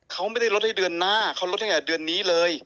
เขาไม่ได้ลดให้เดือนหน้าเขาลดตั้งแต่เดือนนี้เลย